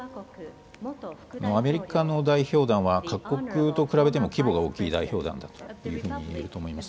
アメリカの代表団は、各国と比べても規模が大きい代表団だというふうにいえると思いま